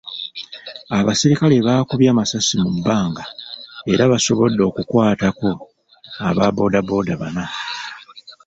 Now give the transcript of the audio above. Abasirikale baakubye amasasi mu bbanga era baasobodde okukwatako aba boda boda bana.